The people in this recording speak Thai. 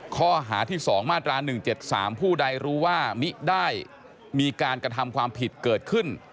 ข้อหาที่๒มาตรา๑๗๓ผู้ใดรู้ว่ามิได้มีการกระทำความผิดเกิดขึ้น